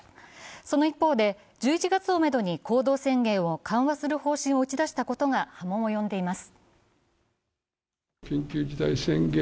その一方で、１１月をめどに行動制限を緩和する方針を打ち出したことが波紋を呼んでいます。